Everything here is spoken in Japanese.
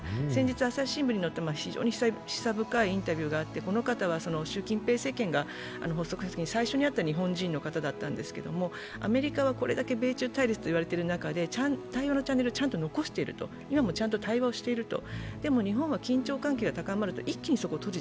先日、朝日新聞に載っていた非常に示唆深いインタビューがあって、この方、習近平政権発足のとき最初に会った日本人の方だったわけですけれども、アメリカはこれだけ米中対立と言われている中で、対話のチャンネルをちゃんと残していると、今もちゃんと対話をしていると。